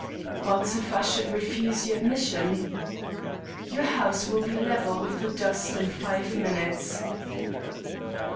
"But if I should refuse you admission?" "Your house will be level with the dust in five minutes."